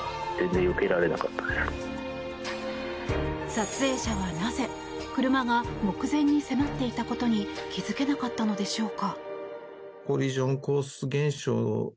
撮影者はなぜ車が目前に迫っていたことに気付けなかったのでしょうか。